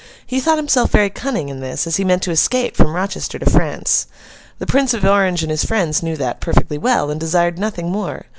He thought himself very cunning in this, as he meant to escape from Rochester to France. The Prince of Orange and his friends knew that, perfectly well, and desired nothing more.